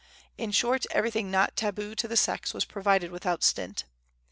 In short, everything not tabu to the sex was provided without stint.